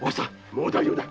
もう大丈夫だ。